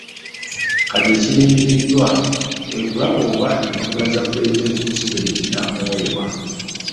Kati ekirindiriddwa kwe kulaba oba empapula za Pulezidenti Museveni zinaamuweebwa.